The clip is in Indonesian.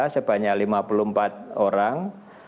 sebanyak lima puluh empat orang